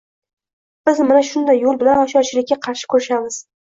Biz mana shunday yo‘l bilan ocharchilikka qarshi kurashamiz.